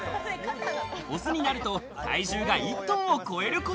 オスになると体重が１トンを超えること